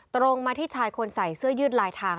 ตรงมาที่ชายคนใส่เสื้อยืดลายทาง